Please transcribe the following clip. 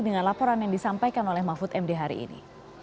dengan laporan yang disampaikan oleh mahfud md hari ini